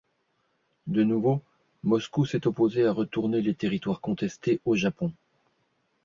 De nouveau, Moscou s'est opposé à retourner les territoires contestés au Japon.